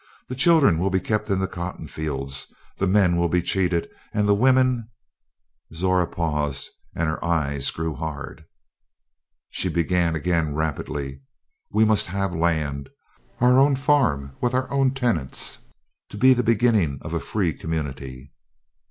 The children will be kept in the cotton fields; the men will be cheated, and the women " Zora paused and her eyes grew hard. She began again rapidly: "We must have land our own farm with our own tenants to be the beginning of a free community."